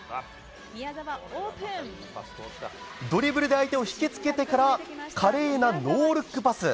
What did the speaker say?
ドリブルで相手を引きつけてから華麗なノールックパス。